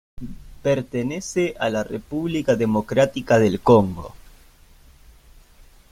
Pertenece a República Democrática del Congo.